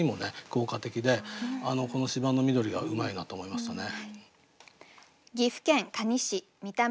効果的でこの「芝の緑」がうまいなと思いましたね。